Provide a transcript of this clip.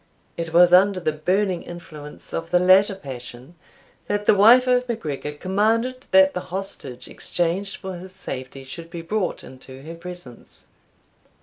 It was under the burning influence of the latter passion that the wife of MacGregor commanded that the hostage exchanged for his safety should be brought into her presence.